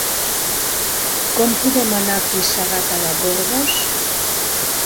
Com podem anar fins a Gata de Gorgos?